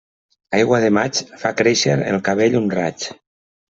Aigua de maig, fa créixer el cabell un raig.